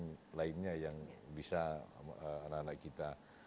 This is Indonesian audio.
di samping juga kan di sini juga ada perguruan perguruan tinggi kita lain